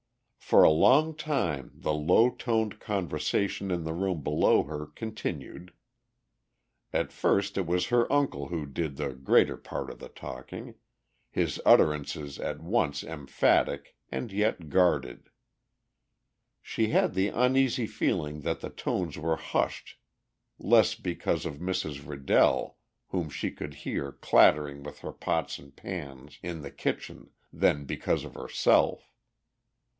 For a long time the low toned conversation in the room below her continued. At first it was her uncle who did the greater part of the talking, his utterances at once emphatic and yet guarded. She had the uneasy feeling that the tones were hushed less because of Mrs. Riddell whom she could hear clattering with her pots and pans in the kitchen, than because of herself.